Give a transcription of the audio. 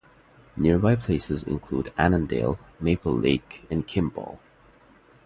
Nearby places include Annandale, Maple Lake, and Kimball.